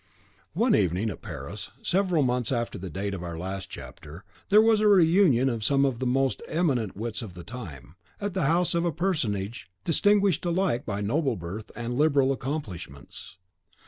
One evening, at Paris, several months after the date of our last chapter, there was a reunion of some of the most eminent wits of the time, at the house of a personage distinguished alike by noble birth and liberal accomplishments.